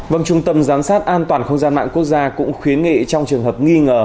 vâng trung tâm giám sát an toàn không gian mạng quốc gia cũng khuyến nghị trong trường hợp nghi ngờ